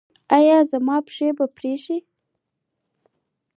ایا زما پښې به پرې شي؟